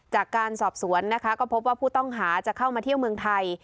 จากการสอบสวนนะคะก็พบว่าผู้ต้องหาจะเข้ามาเที่ยวเมืองไทย